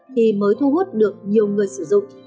thì mới thu hút được nhiều người sử dụng